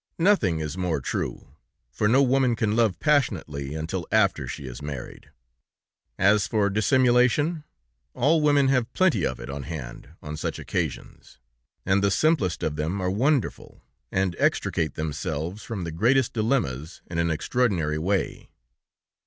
Nothing is more true, for no woman can love passionately until after she has married. "As for dissimulation, all women have plenty of it on hand on such occasions, and the simplest of them are wonderful, and extricate themselves from the greatest dilemmas in an extraordinary way."